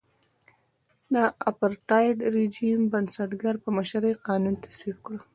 د اپارټایډ رژیم بنسټګر په مشرۍ قانون تصویب کړ.